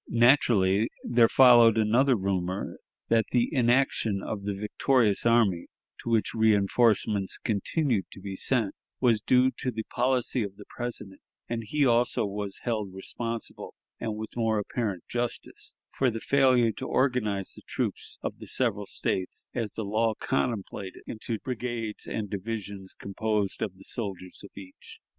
Naturally there followed another rumor, that the inaction of the victorious army, to which reënforcements continued to be sent, was due to the policy of the President; and he also was held responsible, and with more apparent justice, for the failure to organize the troops of the several States, as the law contemplated, into brigades and divisions composed of the soldiers of each.